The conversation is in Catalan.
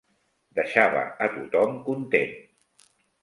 Deixava a tot-hom content